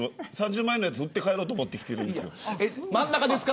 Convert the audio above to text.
３０万円のやつ売って帰ろうと思って来てるんです。